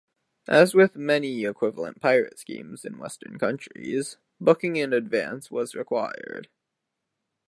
As with many equivalent private schemes in Western countries, booking in advance was required.